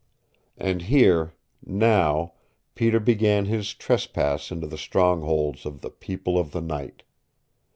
And here now Peter began his trespass into the strongholds of the People of the Night.